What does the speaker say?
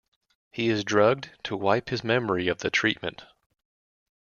He is drugged to wipe his memory of the treatment.